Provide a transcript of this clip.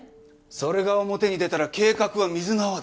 それが表に出たら計画は水の泡だ。